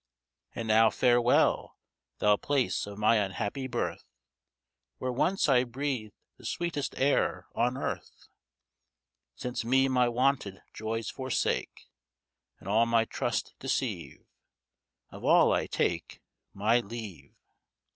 And now farewell! thou place of my unhappy birth, Where once I breathed the sweetest air on earth; Since me my wonted joys forsake, And all my trust deceive; Of all I take My leave.